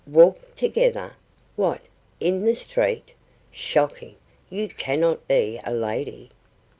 "Walk together! what, in the street? Shocking! You cannot be a lady."